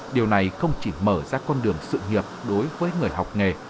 điều này không chỉ mở ra con đường sự nghiệp đối với người học nghề